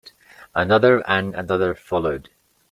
Another and another followed.